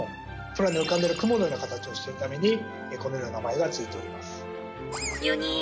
空に浮かんでいる雲のような形をしているためにこのような名前が付いております。